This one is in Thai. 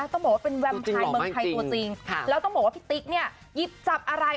ต้องบอกว่าเป็นแวมพายเมืองไทยตัวจริงแล้วต้องบอกว่าพี่ติ๊กเนี่ยหยิบจับอะไร